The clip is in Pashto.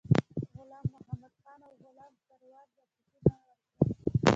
غلام محمدخان او غلام سرور رپوټونه ورکړل.